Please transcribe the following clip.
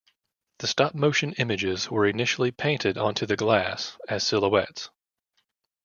The stop-motion images were initially painted onto the glass, as silhouettes.